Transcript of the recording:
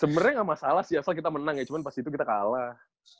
sebenarnya nggak masalah sih asal kita menang ya cuman pas itu kita kalah